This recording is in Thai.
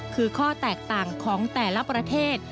คือข้อแตกต่างของแต่ละประเทศ